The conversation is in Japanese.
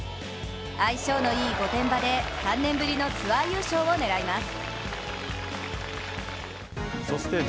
相性のいい御殿場で３年ぶりのツアー優勝を狙います。